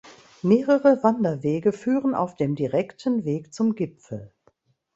Mehrere Wanderwege führen auf dem direkten Weg zum Gipfel.